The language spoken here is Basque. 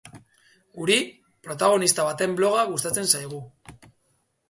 Guri, protagonista baten bloga gustatzen zaigu.